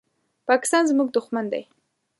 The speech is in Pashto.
پاکستان زمونږ دوښمن دی